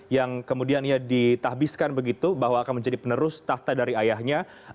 yang kemudiannya ditahbiskan begitu bahwa akan menjadi penerus tahta dari ayahnya